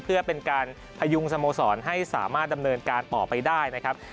เพื่อเป็นการพยุงสโมสรให้สามารถดำเนินการต่อไปได้นะครับ